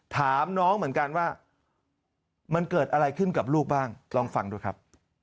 ถามน้องเหมือนกันว่ามันเกิดอะไรขึ้นกับลูกบ้างลองฟังดูครับ